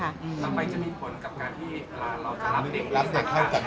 ทำไมจะมีผลกับการที่เราจะรับเด็กให้ก่อนกัน